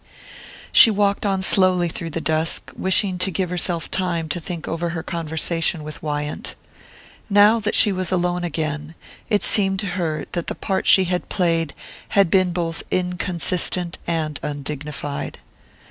She walked on slowly through the dusk, wishing to give herself time to think over her conversation with Wyant. Now that she was alone again, it seemed to her that the part she had played had been both inconsistent and undignified.